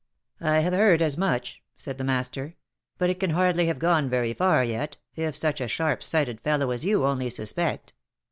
" I have heard as much," said the master; '« but it can hardly have gone very far yet, if such a sharp sighted fellow as you only suspect."